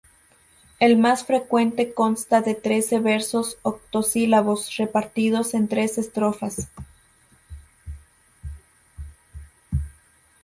El más frecuente consta de trece versos octosílabos repartidos en tres estrofas.